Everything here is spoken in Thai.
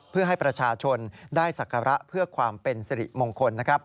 เพื่อให้ประชาชนได้ศักระเพื่อความเป็นสิริมงคล